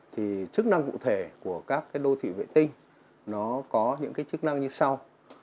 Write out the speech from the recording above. thì chức năng cụ thể của các đô thị vệ tinh nó có những cái chức năng như sau